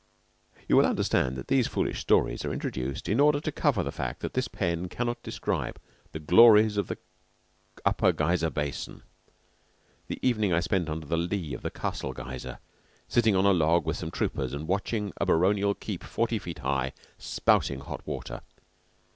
You will understand that these foolish stories are introduced in order to cover the fact that this pen cannot describe the glories of the Upper Geyser Basin. The evening I spent under the lee of the Castle Geyser, sitting on a log with some troopers and watching a baronial keep forty feet high spouting hot water.